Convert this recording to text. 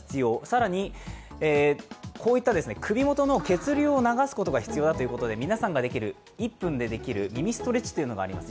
更に、こういった首元の血流を流すことが必要だということで皆さんで１分でできる耳ストレッチというのがあります